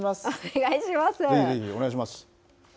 お願いします。